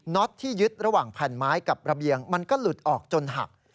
็อตที่ยึดระหว่างแผ่นไม้กับระเบียงมันก็หลุดออกจนหัก